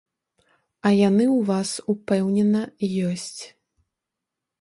А яны ў вас, упэўнена, ёсць!